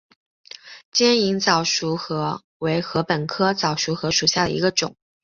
尖颖早熟禾为禾本科早熟禾属下的一个种。